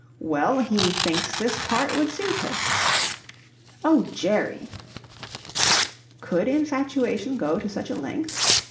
well, he thinks this part would suit her." "Oh, Jerry!" Could infatuation go to such a length?